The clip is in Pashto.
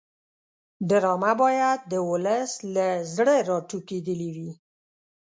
ډرامه باید د ولس له زړه راټوکېدلې وي